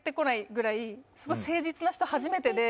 すごい誠実な人初めてで。